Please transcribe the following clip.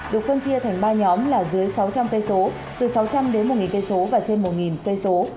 được phân chia thành ba nhóm là dưới sáu trăm linh tê số từ sáu trăm linh đến một tê số và trên một tê số